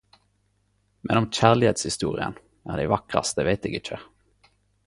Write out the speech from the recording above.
Men om kjærleikshistoriene er dei vakraste veit eg ikkje.